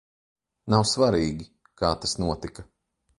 Nav svar?gi, k? tas notika.